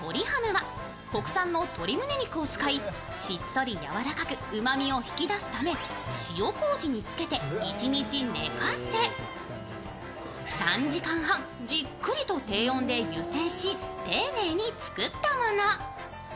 ハムは国産の鶏むね肉を使い、しっとりやわらかくうまみを引き出すため、塩こうじに漬けて一日寝かせ、３時間半じっくりと低温で湯せんし丁寧に作ったもの。